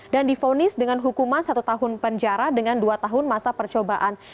dan difonis dengan hukuman satu tahun penjara dengan dua tahun masa percobaan